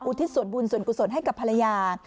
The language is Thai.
ทิศส่วนบุญส่วนกุศลให้กับภรรยา